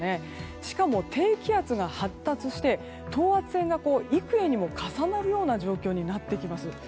しかも、低気圧が発達して等圧線が幾重にも重なるような状況になってきます。